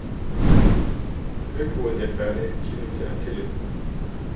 Irgendwo in der Ferne klingelte ein Telefon.